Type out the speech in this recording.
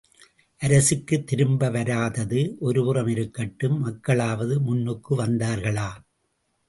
அரசுக்குத் திரும்ப வராதது ஒருபுறம் இருக்கட்டும் மக்களாவது முன்னுக்கு வந்தார்களா?